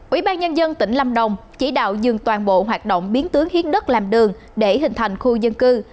ủy ban nhân dân tỉnh lâm đồng chỉ đạo dừng toàn bộ hoạt động biến tướng hiến đất làm đường để hình thành khu dân cư